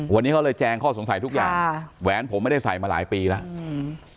วันนี้เขาเลยแจงข้อสงสัยทุกอย่างค่ะแหวนผมไม่ได้ใส่มาหลายปีแล้วอืม